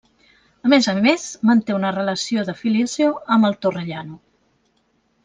A més a més, manté una relació de filiació amb el Torrellano.